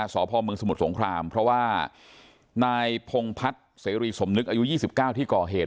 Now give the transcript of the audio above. สพมสมุทรสงครามเพราะว่านายพงพัฒน์เสรีสมนึกอายุ๒๙ที่ก่อเหตุ